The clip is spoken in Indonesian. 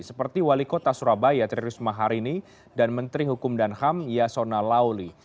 seperti wali kota surabaya tririsma harini dan menteri hukum dan ham yasona lauli